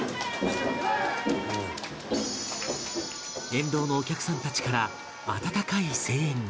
沿道のお客さんたちから温かい声援が